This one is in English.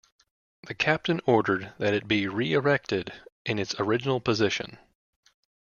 The Captain ordered that it be re-erected in its original position.